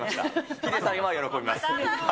ヒデさんは喜びます。